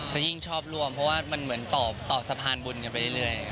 จะยิ่งชอบร่วมเพราะว่ามันเหมือนต่อสะพานบุญกันไปเรื่อย